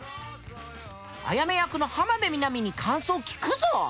あやめ役の浜辺美波に感想聞くぞ。